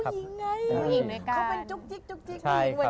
เขาเป็นจุ๊กจิ๊กนี่เหมือนกัน